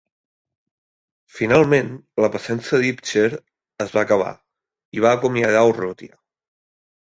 Finalment, la paciència d'Ivcher es va acabar i va acomiadar Urrutia.